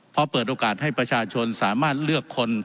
เพราะเปิดโอกาสให้ประชาชนสามารถเลือกคน